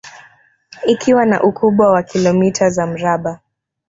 Ikiwa na ukubwa wa kilomita za mraba